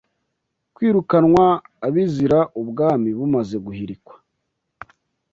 kwirukanwa abiziraUbwami bumaze guhirikwa,